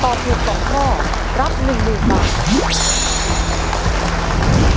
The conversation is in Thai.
ถูก๒ข้อรับ๑๐๐๐บาท